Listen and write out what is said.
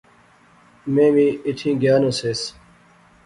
میں وی ایتھیں گیا نا سیس